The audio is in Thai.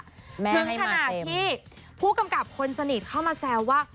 ถึงขนาดที่ผู้กำกับคนสนิทเข้ามาแซวว่า